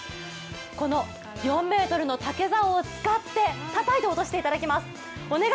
この４ｍの竹竿を使ってたたいて落としていただきます。